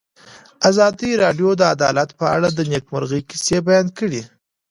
ازادي راډیو د عدالت په اړه د نېکمرغۍ کیسې بیان کړې.